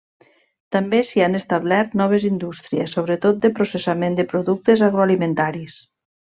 També s'hi han establert noves indústries, sobretot de processament de productes agroalimentaris.